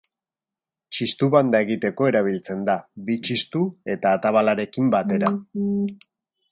Txistu banda egiteko erabiltzen da, bi txistu eta atabalarekin batera.